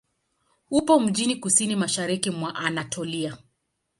Upo mjini kusini-mashariki mwa Anatolia.